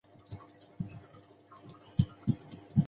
龙珠潭位于香港新界大埔区的八仙岭郊野公园。